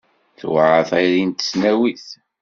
Tewɛer tayri n tesnawit.